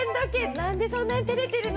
なんでそんなにてれてるの？